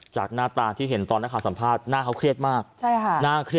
จากหน้าตาที่เห็นตอนนักคาสัมผ้าหน้าเขาเครียดมาก